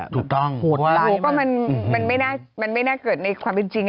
ถูกต้องเราก็มันไม่น่าเกิดในความเป็นจริง